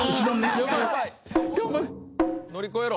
乗り越えろ。